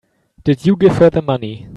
Did you give her the money?